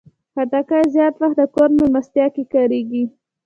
خټکی زیات وخت د کور مېلمستیا کې کارېږي.